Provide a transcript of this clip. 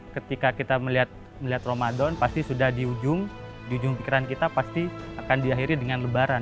ketika kita melihat ramadan pasti sudah di ujung di ujung pikiran kita pasti akan diakhiri dengan lebaran